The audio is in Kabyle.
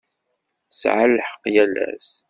Tesɛa lḥeq yal ass.